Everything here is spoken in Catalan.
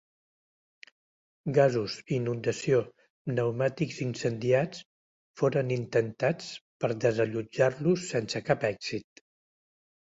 Gasos, inundació, pneumàtics incendiats, foren intentats per desallotjar-los, sense cap èxit.